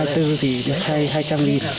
thì được thay hai trăm linh